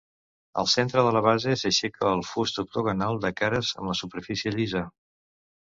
Al centre de la base s'aixeca el fust octogonal de cares amb la superfície llisa.